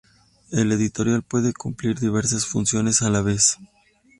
El editorial puede cumplir diversas funciones a la vez.